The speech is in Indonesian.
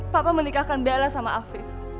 papa menikahkan bella sama afif